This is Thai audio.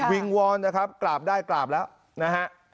งวอนนะครับกราบได้กราบแล้วนะฮะ